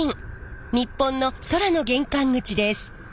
日本の空の玄関口です。